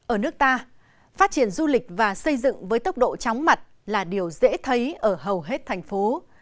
ở nước ta phát triển du lịch và xây dựng với tốc độ chóng mặt là điều dễ thấy ở hầu hết thành phố